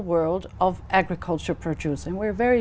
mà chúng tôi đã tổ chức lúc nãy